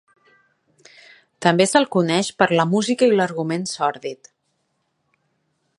També se'l coneix per la música i l'argument sòrdid.